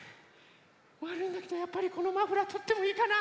わるいんだけどやっぱりこのマフラーとってもいいかな？